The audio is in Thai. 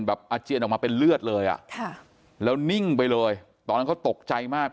อาเจียนออกมาเป็นเลือดเลยอ่ะค่ะแล้วนิ่งไปเลยตอนนั้นเขาตกใจมาก